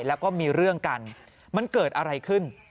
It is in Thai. แล้วก็มีเรื่องกันมันเกิดอะไรขึ้น